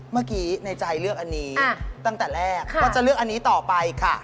เมื่อกี้ในใจเลือกอันนี้ตั้งแต่แรกก็จะเลือกอันนี้ต่อไปค่ะ